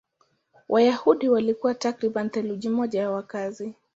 Wayahudi walikuwa takriban theluthi moja ya wakazi.